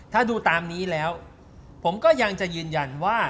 ถ้าดูตามนี้แล้วผมก็ยังจะยืนยันว่า